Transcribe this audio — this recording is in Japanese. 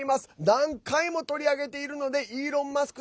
何回も取り上げているのでイーロン・マスク